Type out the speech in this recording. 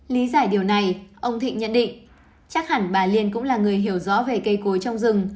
lý giải điều này ông thịnh nhận định chắc hẳn bà liên cũng là người hiểu rõ về cây cối trong rừng